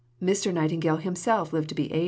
Mr. Nightingale himself lived to be 80.